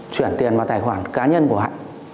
chuyển tiền vào tài khoản cá nhân của hạnh